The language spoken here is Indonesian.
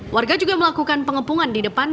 warga juga melakukan pengepungan di depan